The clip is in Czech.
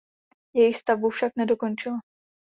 Jejich stavbu však nedokončila.